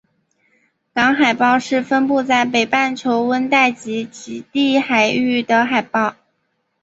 港海豹是分布在北半球温带及极地海域的海豹。